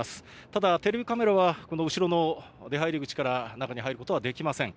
ただ、テレビカメラは、この後ろの出はいり口から中に入ることはできません。